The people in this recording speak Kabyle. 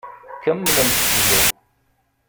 Kemmlemt fellu.